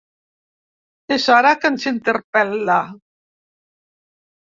És ara que ens interpel·la.